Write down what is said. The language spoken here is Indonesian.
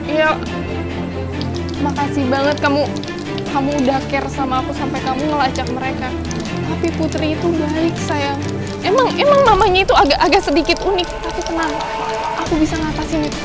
ya makasih banget kamu kamu udah care sama aku sampai kamu ngelacak mereka tapi putri itu baik sayang emang emang namanya itu agak agak sedikit unik tapi tenang aku bisa ngatasin itu